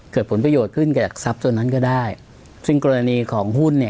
เกิดผลประโยชน์ขึ้นกับทรัพย์ตัวนั้นก็ได้ซึ่งกรณีของหุ้นเนี่ย